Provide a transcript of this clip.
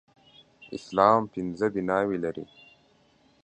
اسلام پنځه بناوې لري